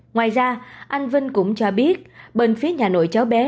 ngoài ra anh vinh cũng cho biết bên phía nhà nổi cháu bé